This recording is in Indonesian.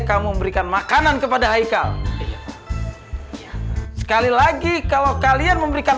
kamu memberikan makanan kepada haikal sekali lagi kalau kalian memberikan